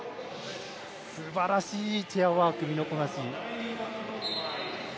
すばらしいチェアワーク身のこなし。